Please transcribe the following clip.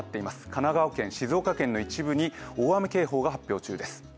神奈川県、静岡県の一部に大雨警報が発表中です。